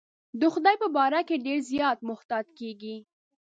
د خدای په باره کې ډېر زیات محتاط کېږي.